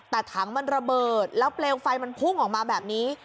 แต่ถังมันระเบิดแล้วเปลวไฟมันพุ่งออกมาแบบนี้